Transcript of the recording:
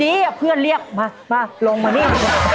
พี่นุฏเรียกมาลงมานี่